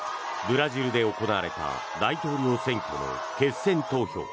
ブラジルで行われた大統領選挙の決選投票。